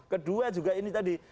kedua juga ini tadi